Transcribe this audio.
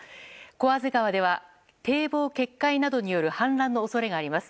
小畔川では堤防決壊などによる氾濫の恐れがあります。